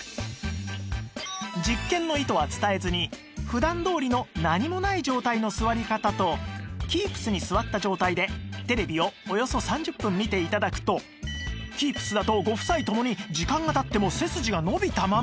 実験の意図は伝えずに普段どおりの何もない状態の座り方と Ｋｅｅｐｓ に座った状態でテレビをおよそ３０分見て頂くと Ｋｅｅｐｓ だとご夫妻ともに時間が経っても背筋が伸びたまま